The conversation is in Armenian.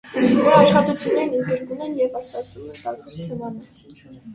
Նրա աշխատություններն ընդգրկուն են և արծարծում են տարբեր թեմաներ։